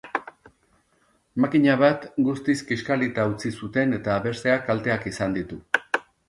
Makina bat guztiz kiskalita utzi zuten eta besteak kalteak izan ditu.